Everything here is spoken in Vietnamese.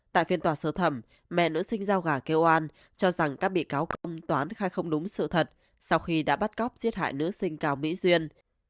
tại phiên tòa sơ thẩm mẹ nữ sinh giao gà kêu an cho rằng các bị cáo công toán khai không đúng sự thật sau khi đã bắt cóc giết hại nữ sinh cao mỹ duyên